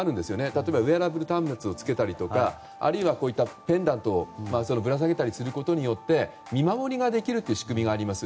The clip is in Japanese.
例えばウェアラブル端末をつけたりペンダントをぶら下げたりすることによって見守りができるという仕組みがあります。